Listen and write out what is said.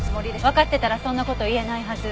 わかってたらそんな事言えないはず。